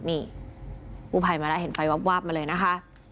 นี่กู้ภัยมาแล้วเห็นไฟวาบมาเลยนะคะ